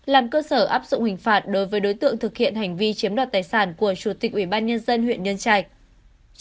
làm cơ sở áp dụng hình phạt đối với đối tượng thực hiện hành vi chiếm đoạt tài sản của chủ tịch ubnd huyện nhân trạch